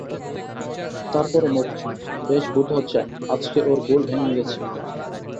তার পরে মক্ষী, বেশ বোধ হচ্ছে আজকে ওর ঘোর ভেঙে গেছে।